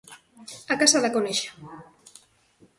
A casa da conexa.